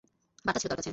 বার্তা ছিল তার কাছে।